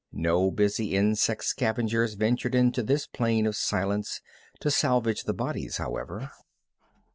No busy insect scavengers ventured into this plain of silence to salvage the bodies, however.